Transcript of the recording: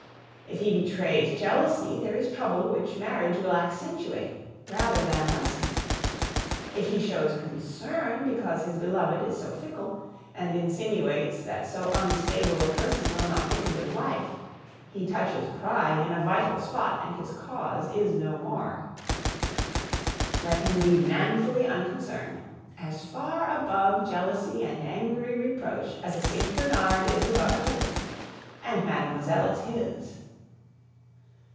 If he betrays jealousy, there is trouble which marriage will accentuate, rather than lessen. If he shows concern because his beloved is so fickle, and insinuates that so unstable a person will not make a good wife, he touches pride in a vital spot and his cause is no more. Let him be manfully unconcerned; as far above jealousy and angry reproach as a St. Bernard is above a kitten and Mademoiselle is his.